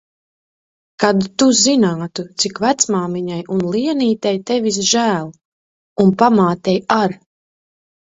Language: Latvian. Kad tu zinātu, cik vecmāmiņai un Lienītei tevis žēl. Un pamātei ar.